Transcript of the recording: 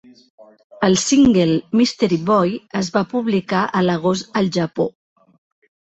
El single "Mystery Boy" es va publicar a l'agost al Japó..